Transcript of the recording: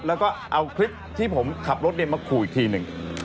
แล้วก็เอาคลิปที่ผมขับรถมาขู่อีกทีหนึ่ง